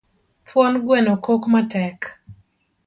Thuon gweno kok matek